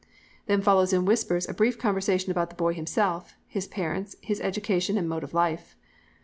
"Then follows in whispers a brief conversation about the boy himself, his parents, his education and mode of life.